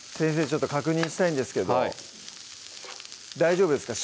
ちょっと確認したいんですけど大丈夫ですか？